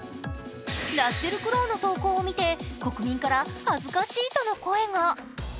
ラッセル・クロウの投稿を見て、国民から「恥ずかしい」との声が。